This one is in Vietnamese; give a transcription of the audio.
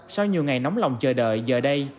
sau nhiều ngày nóng lòng chờ đợi giờ đây